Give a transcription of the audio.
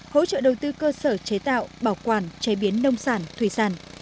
hỗ trợ đầu tư cơ sở chế tạo bảo quản chế biến nông sản thủy sản